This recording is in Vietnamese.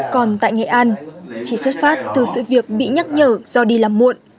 còn tại nghệ an chỉ xuất phát từ sự việc bị nhắc nhở do đi làm muộn